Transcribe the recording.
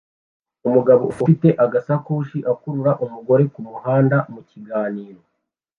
Umugabo ufite agasakoshi akurura umugore kumuhanda mukiganiro